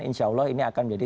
insya allah ini akan menjadi